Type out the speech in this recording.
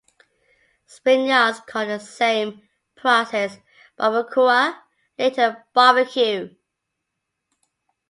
Spaniards called the same process "barbacoa", later "barbecue".